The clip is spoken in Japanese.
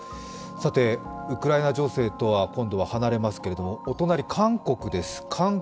ウクライナ情勢とは今度は離れますけれども、お隣、韓国です。